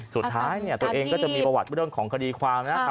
สุดท้ายเนี่ยตัวเองก็จะมีประวัติเรื่องของคดีความนะครับ